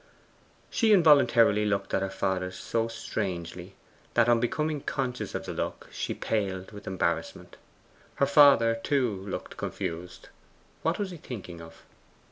She involuntarily looked at her father so strangely, that on becoming conscious of the look she paled with embarrassment. Her father, too, looked confused. What was he thinking of?